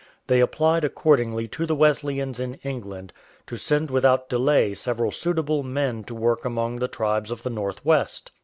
They applied accordingly to the Wesleyans in England to send without delay several suitable men to work among the tribes of the North West.